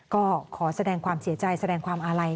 ก็ขอแสดงความเสียใจแสดงความอาลัย